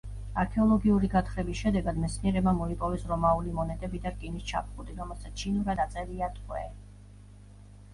არქეოლოგიური გათხრების შედეგად მეცნიერებმა მოიპოვეს რომაული მონეტები და რკინის ჩაფხუტი, რომელსაც ჩინურად აწერია „ტყვე“.